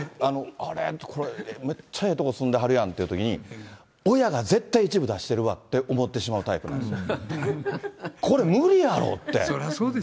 これって、むっちゃええとこ住んではるやんってなったときに、親が絶対一部出してるわって、思ってしまうタイプなんですよ。